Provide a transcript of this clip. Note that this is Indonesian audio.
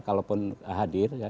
kalaupun hadir ya